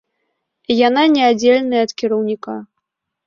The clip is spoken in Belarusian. Яна неаддзельная ад кіраўніка.